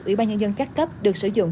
ủy ban nhân dân các cấp được sử dụng